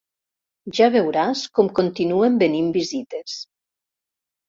Ja veuràs com continuen venint visites.